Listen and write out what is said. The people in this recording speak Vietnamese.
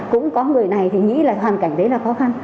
cũng có người này thì nghĩ là hoàn cảnh đấy là khó khăn